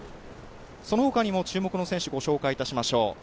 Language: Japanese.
そのほかにも注目の選手、ご紹介いたしましょう。